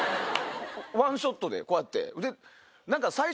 ワンショットでこうやって。